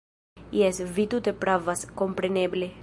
Jes, vi tute pravas, kompreneble!